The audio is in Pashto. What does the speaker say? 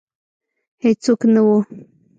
هیڅوک نه وه